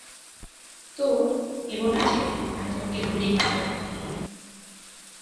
তো, ভেবো না যে, আমি তোমাকে গুলি মারবো না।